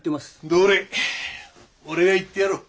どれ俺が言ってやろう。